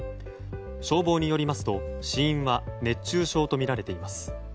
消防によりますと死因は熱中症とみられています。